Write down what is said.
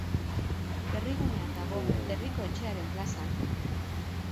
Herrigunean dago, Herriko Etxearen plazan.